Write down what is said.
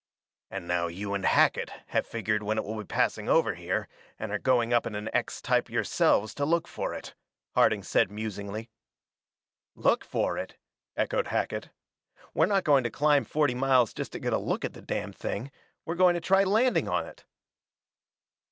"And now you and Hackett have figured when it will be passing over here and are going up in an X type yourselves to look for it," Harding said musingly. "Look for it?" echoed Hackett. "We're not going to climb forty miles just to get a look at the damn thing we're going to try landing on it!"